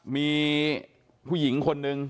มีผู้หญิงคนนึง